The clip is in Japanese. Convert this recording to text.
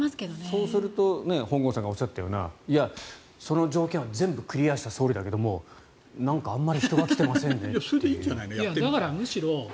そうすると本郷さんがおっしゃったようないや、その条件は全部クリアした総理だけれどなんかあんまり人が来てませんねと。